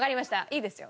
いいですよ。